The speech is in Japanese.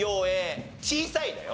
「小さい」だよ？